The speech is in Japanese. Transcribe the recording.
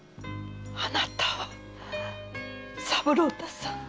あなたは三郎太さん？